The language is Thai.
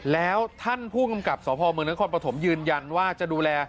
แล้วท่านผู้กำกับสพเมืองนครปฐมยืนยันว่าจะดูแล